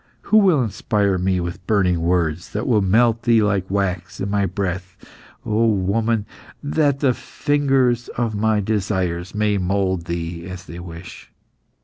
Who will inspire me with burning words that will melt thee like wax in my breath, O woman, that the fingers of my desires may mould thee as they wish?